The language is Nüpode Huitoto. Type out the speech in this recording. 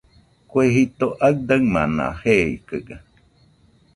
Kue jito aɨdaɨmana jeikɨga